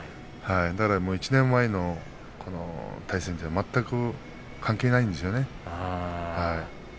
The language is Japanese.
１年前の対戦は関係ないんですよね。